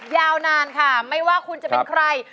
ยาวนานค่ะไม่ว่าคุณจะเป็นใคร